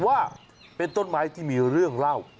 ว่าเป็นต้นไม้ที่มีเรื่องเล่า